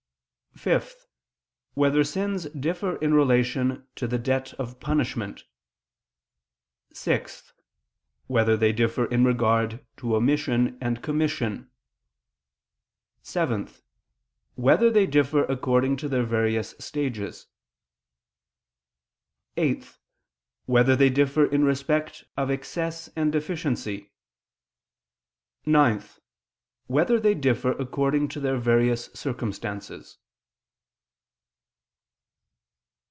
(5) Whether sins differ in relation to the debt of punishment? (6) Whether they differ in regard to omission and commission? (7) Whether they differ according to their various stages? (8) Whether they differ in respect of excess and deficiency? (9) Whether they differ according to their various circumstances?